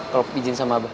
kalau izin sama abah